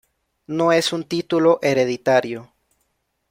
No es un título hereditario.